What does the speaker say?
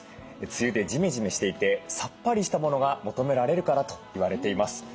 梅雨でじめじめしていてさっぱりしたものが求められるからと言われています。